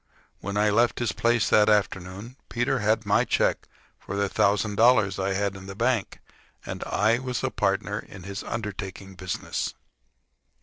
When I left his place that afternoon Peter had my check for the thousand dollars I had in the bank, and I was a partner in his undertaking business.